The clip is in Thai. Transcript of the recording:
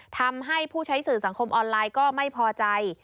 ทำให้ผู้ใช้สื่อสังคมออนไลน์ก็ไม่พอใจ